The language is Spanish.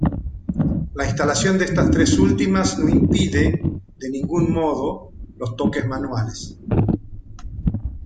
La instalación de estas tres últimas no impide, de ningún modo, los toques manuales.